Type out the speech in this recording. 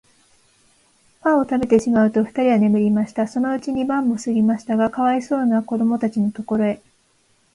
パンをたべてしまうと、ふたりは眠りました。そのうちに晩もすぎましたが、かわいそうなこどもたちのところへ、